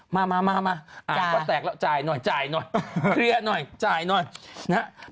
มามาอาการก็แตกแล้วจ่ายหน่อยจ่ายหน่อยเคลียร์หน่อยจ่ายหน่อยนะฮะ